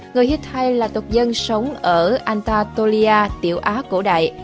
người hittite là tộc dân sống ở anatolia tiểu á cổ đại